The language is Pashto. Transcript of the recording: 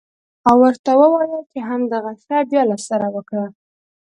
او ورته ووايې چې همدغه شى بيا له سره وکره.